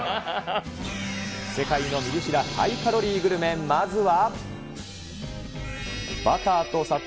世界のミリ知らハイカロリーグルメ、まずは。